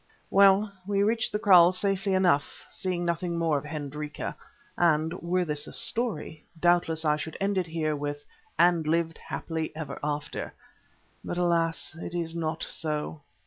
Well, we reached the kraals safely enough, seeing nothing more of Hendrika, and, were this a story, doubtless I should end it here with—"and lived happily ever after." But alas! it is not so.